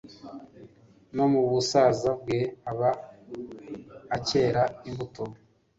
no mu busaza bwe aba akera imbuto